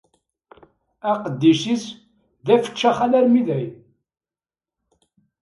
Aqeddic-is d afeččax alarmi dayen.